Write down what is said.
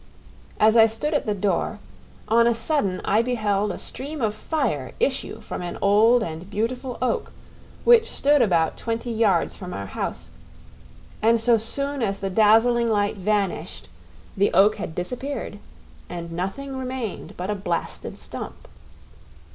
As I stood at the door, on a sudden I beheld a stream of fire issue from an old and beautiful oak which stood about twenty yards from our house; and so soon as the dazzling light vanished, the oak had disappeared, and nothing remained but a blasted stump.